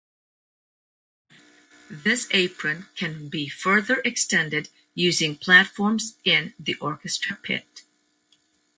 This apron can be further extended using platforms in the orchestra pit.